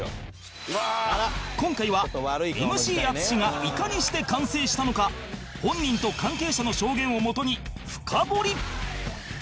今回は ＭＣ 淳がいかにして完成したのか本人と関係者の証言を元に深掘り！